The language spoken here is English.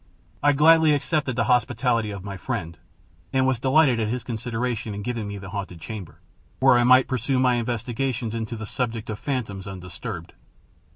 I gladly accepted the hospitality of my friend, and was delighted at his consideration in giving me the haunted chamber, where I might pursue my investigations into the subject of phantoms undisturbed.